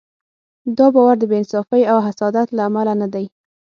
دا باور د بې انصافۍ او حسادت له امله نه دی.